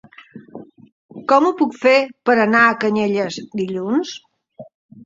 Com ho puc fer per anar a Canyelles dilluns?